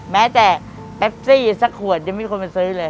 แม้แต่แอปซี่สักขวดยังไม่มีคนมาซื้อเลย